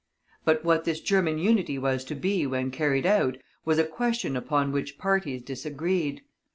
But what this German unity was to be when carried out was a question upon which parties disagreed.